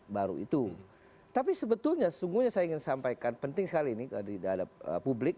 baru itu tapi sebetulnya sesungguhnya saya ingin sampaikan penting sekali ini di dalam publik